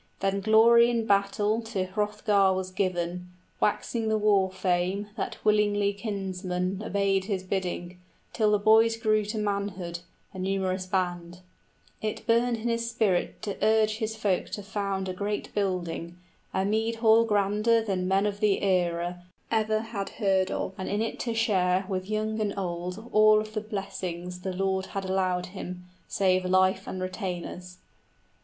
Then glory in battle to Hrothgar was given, Waxing of war fame, that willingly kinsmen Obeyed his bidding, till the boys grew to manhood, 15 A numerous band. It burned in his spirit To urge his folk to found a great building, A mead hall grander than men of the era {He is eager to build a great hall in which he may feast his retainers} Ever had heard of, and in it to share With young and old all of the blessings 20 The Lord had allowed him, save life and retainers.